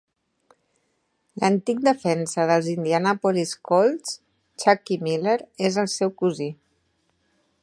L'antic defensa dels Indianapolis Colts, Chuckie Miller, és el seu cosí.